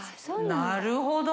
なるほど！